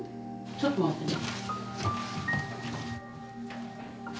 ちょっと待ってね。